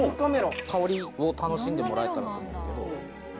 香りを楽しんでもらえたらと思うんですけど。